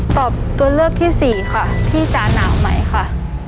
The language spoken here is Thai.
ตอบตัวเลือกที่สี่ค่ะพี่จะหนาวไหมค่ะ